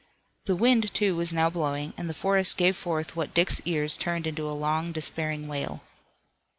The wind, too, was now blowing, and the forest gave forth what Dick's ears turned into a long despairing wail.